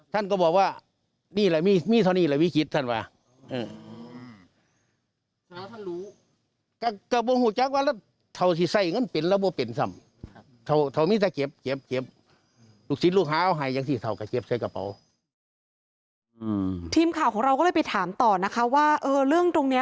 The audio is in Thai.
ท่านก็ไปไปนั่งอยู่ที่นั่นแหละท่านท่านมีเงินห้าสิบเก็ดล้านใครนะ